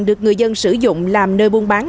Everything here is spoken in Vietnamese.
được người dân sử dụng làm nơi buôn bán